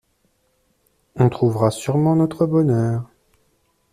On trouvera sûrement notre bonheur.